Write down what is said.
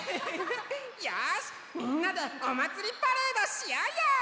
よしみんなでおまつりパレードしようよ！